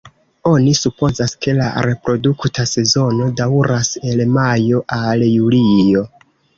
Oni supozas, ke la reprodukta sezono daŭras el majo al julio.